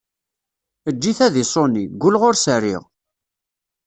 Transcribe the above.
Eǧǧ-it ad iṣuni, ggulleɣ ur s-rriɣ!